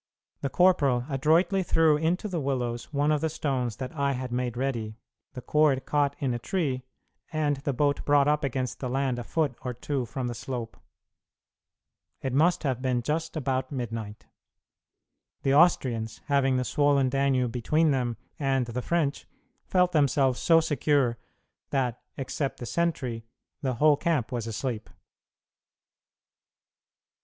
The corporal adroitly threw into the willows one of the stones that I had made ready, the cord caught in a tree, and the boat brought up against the land a foot or two from the slope. It must have been just about midnight. The Austrians, having the swollen Danube between them and the French, felt themselves so secure that, except the sentry, the whole camp was asleep.